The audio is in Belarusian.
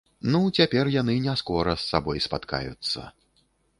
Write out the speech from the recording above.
Ну, цяпер яны не скора з сабой спаткаюцца.